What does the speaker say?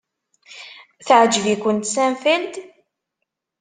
Teɛjeb-ikent Seinfeld?